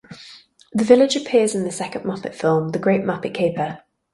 The village appears in the second Muppet film, "The Great Muppet Caper".